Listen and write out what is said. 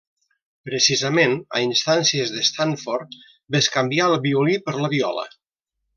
Precisament a instàncies de Stanford bescanvià el violí per la viola.